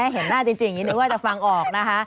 เห็นหน้าจริงนึกว่าจะฟังออกนะคะ